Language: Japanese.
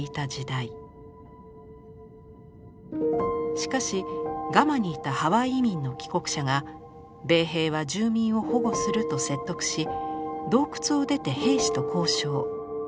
しかしガマにいたハワイ移民の帰国者が「米兵は住民を保護する」と説得し洞窟を出て兵士と交渉。